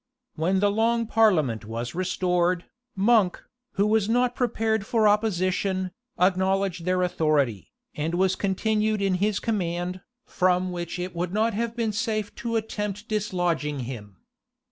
When the long parliament was restored, Monk, who was not prepared for opposition, acknowledged their authority, and was continued in his command, from which it would not have been safe to attempt dislodging him.